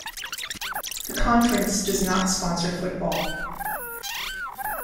The conference does not sponsor football.